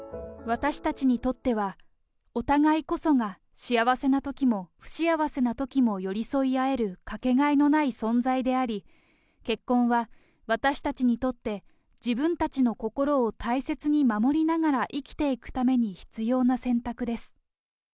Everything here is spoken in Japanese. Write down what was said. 私たちにとっては、お互いこそが幸せなときも、不幸せなときも寄り添い合える掛けがえのない存在であり、結婚は私たちにとって、自分たちの心を大切に守りながら生きていくために必要な選択です。